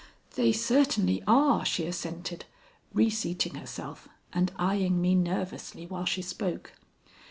"They certainly are," she assented, reseating herself and eying me nervously while she spoke.